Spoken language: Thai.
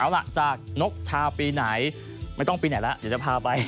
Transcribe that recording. เอาล่ะจากนกชาวปีไหนไม่ต้องปีไหนแล้วเดี๋ยวจะพาไป